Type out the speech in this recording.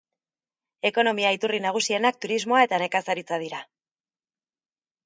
Ekonomia iturri nagusienak turismoa eta nekazaritza dira.